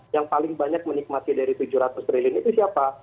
yang paling banyak menikmati dari tujuh ratus triliun itu siapa